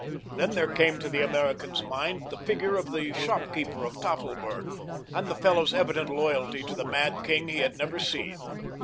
Then there came to the American's mind the figure of the shopkeeper of Tafelberg, and the fellow's evident loyalty to the mad king he had never seen.